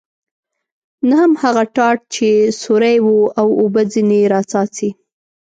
نه هم هغه ټاټ چې سوری و او اوبه ځنې را څاڅي.